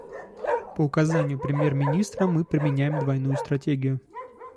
По указанию премьер-министра мы применяем двойную стратегию.